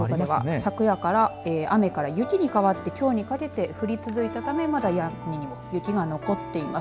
昨夜から雨から雪に変わって、きょうにかけて降り続いてまだ屋根に雪が残っています。